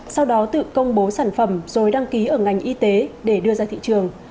sau đó tự công bố sản phẩm rồi đăng ký ở ngành y tế để đưa ra thị trường